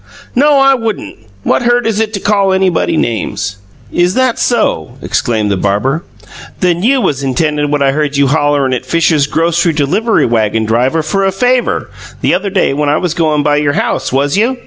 "No, I wouldn't! What hurt is it to call anybody names?" "Is that SO!" exclaimed the barber. "Then you was intending what I heard you hollering at Fisher's grocery delivery wagon driver fer a favour, the other day when I was goin' by your house, was you?